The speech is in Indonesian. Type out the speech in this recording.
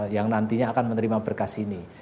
yang nantinya akan menerima berkas ini